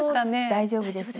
大丈夫です。